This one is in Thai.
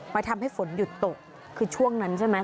ทำให้ฝนหยุดตกคือช่วงนั้นใช่ไหม